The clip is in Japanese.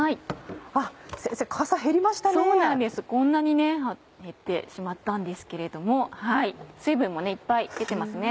こんなに減ってしまったんですけれども水分もいっぱい出てますね。